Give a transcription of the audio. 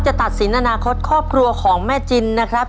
จะตัดสินอนาคตครอบครัวของแม่จินนะครับ